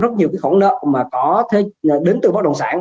rất nhiều khẩu nợ đến từ báo đồng sản